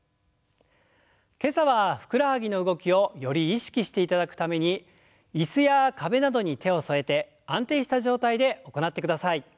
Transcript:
今朝はふくらはぎの動きをより意識していただくために椅子や壁などに手を添えて安定した状態で行ってください。